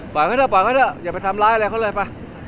ปล่อยเขาเถอะปล่อยเขาเถอะอย่าไปทำร้ายอะไรเขาเลยป่ะ